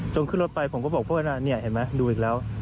ขึ้นรถไปผมก็บอกเพื่อนว่านี่เห็นไหมดูอีกแล้ว